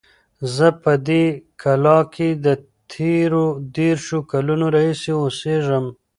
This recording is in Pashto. زه په دې کلا کې د تېرو دېرشو کلونو راهیسې اوسیږم.